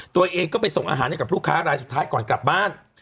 ตัวเองก็ไปส่งอาหารให้กับลูกค้ารายสุดท้ายก่อนกลับบ้าน